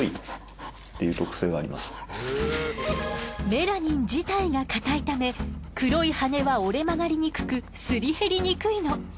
メラニン自体が硬いため黒い羽は折れ曲がりにくくすり減りにくいの。